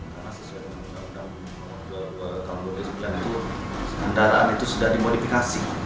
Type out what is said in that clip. karena sesuai dengan peraturan nomor dua puluh dua tahun dua ribu sembilan itu kendaraan itu sudah dimodifikasi